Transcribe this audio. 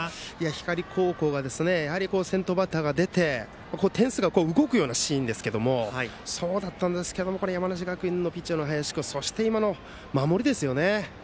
光高校がやはり先頭バッターが出て点数が動くようなシーンですけど山梨学院のピッチャーの林君そして今の守りですよね。